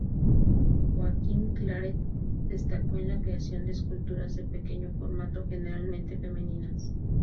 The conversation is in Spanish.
Joaquim Claret destacó en la creación de esculturas de pequeño formato, generalmente femeninas.